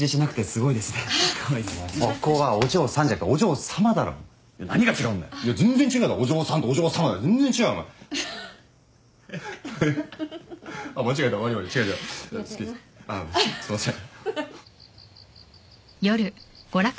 すいません。